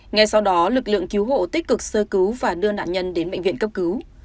ngay sau đó lực lượng cứu hộ tích cực sơ cứu và đưa nạn nhân đến bệnh viện cấp cứu